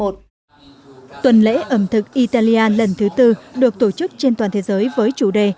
tuần lễ ẩm thực italia lần thứ tư được tổ chức trên toàn thế giới với chủ đề